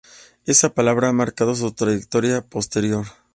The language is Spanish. Esa palabra ha marcado su trayectoria posterior.